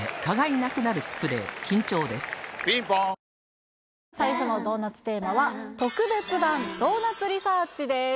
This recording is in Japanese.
こんばんは最初のドーナツテーマは特別版ドーナツリサーチです